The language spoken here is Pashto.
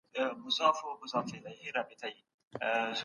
سایبر امنیتي سیسټمونه د کاروونکو محرمیت ساتي.